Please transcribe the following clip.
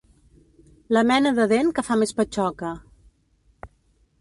La mena de dent que fa més patxoca.